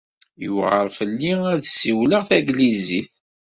Yewɛeṛ fell-i ad ssiwleɣ tanglizit.